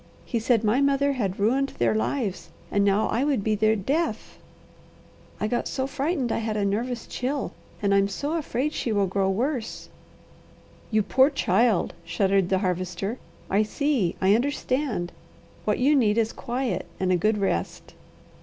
He said my mother had ruined their lives, and now I would be their death. I got so frightened I had a nervous chill and I'm so afraid she will grow worse " "You poor child!" shuddered the Harvester. "I see! I understand! What you need is quiet and a good rest."